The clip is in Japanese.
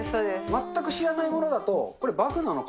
全く知らないものだと、これ、バグなのか？